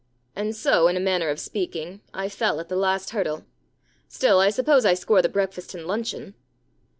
And so, in a manner of speaking, I fell at the last hurdle. Still, I suppose I score the breakfast and luncheon.